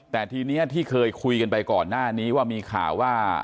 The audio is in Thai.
แต่ทีนี้ที่เคยคุยกันไปก่อนหน้านี้ว่ามีข่าวว่า